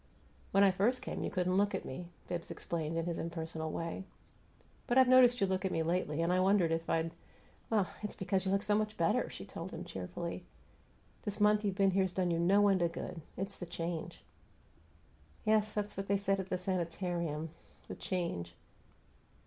"When I first came you couldn't look at me," Bibbs explained, in his impersonal way. "But I've noticed you look at me lately. I wondered if I'd " "It's because you look so much better," she told him, cheerfully. "This month you've been here's done you no end of good. It's the change." "Yes, that's what they said at the sanitarium the change."